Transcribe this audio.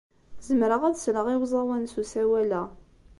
Zemreɣ ad sleɣ i uẓawan s usawal-a.